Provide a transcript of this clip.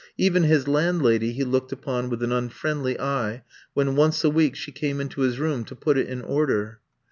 Even his landlady he looked upon with an unfriendly eye when, once a week, she came into his room to put it in order.